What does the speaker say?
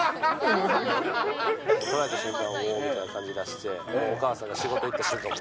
取られた瞬間、悲しい感じ出して、お母さんが仕事行ったらこう。